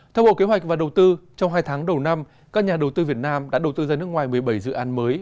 theo bộ kế hoạch và đầu tư trong hai tháng đầu năm các nhà đầu tư việt nam đã đầu tư ra nước ngoài một mươi bảy dự án mới